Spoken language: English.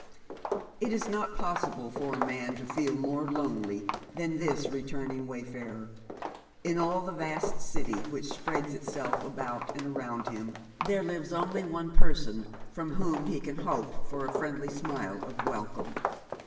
It is not possible for a man to feel more lonely than this re turning wayfarer. In all the vast city which spreads itself about and around him there lives only one person from whom he can hope for a friendly smile of welcome.